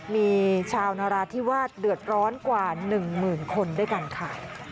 มีชาวนราที่ว่าเดือดร้อนกว่าหนึ่งหมื่นคนด้วยกันค่ะ